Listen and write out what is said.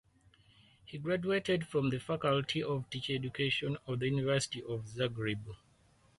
He graduated from the Faculty of Teacher Education of the University of Zagreb.